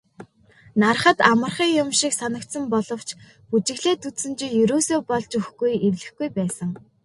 Hарахад амархан юм шиг санагдсан боловч бүжиглээд үзсэн чинь ерөөсөө болж өгөхгүй эвлэхгүй байсан.